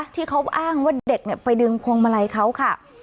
ที่เขาอ้างว่าเด็กไปดึงพวงมาลัยเขาค่ะ